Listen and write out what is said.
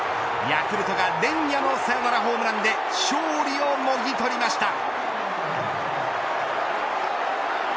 ヤクルトが連夜のサヨナラホームランで勝利をもぎ取りました。